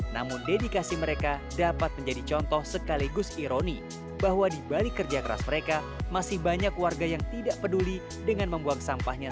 namun dedikasi mereka dapat menjadi contoh sekaligus ironi bahwa dibalik kerja keras mereka masih banyak warga yang tidak peduli dengan membuang sampahnya